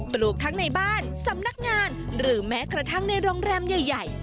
ลูกทั้งในบ้านสำนักงานหรือแม้กระทั่งในโรงแรมใหญ่